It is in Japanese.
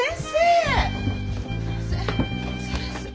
先生。